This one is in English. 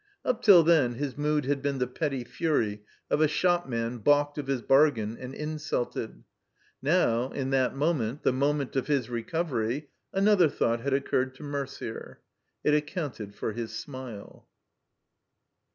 Up till then his mood had been the petty fury of a shopman balked of his bargain and insulted. Now, in that moment, the moment of his recovery, an other thought had occiured to Mercier. It accounted for his smile.